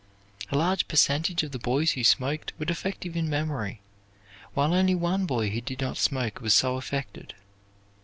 A large percentage of the boys who smoked were defective in memory, while only one boy who did not smoke was so affected.